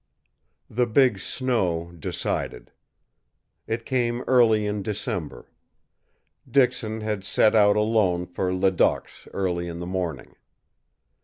The big snow decided. It came early in December. Dixon had set out alone for Ledoq's early in the morning.